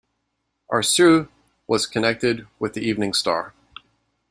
Arsu was connected with the evening star.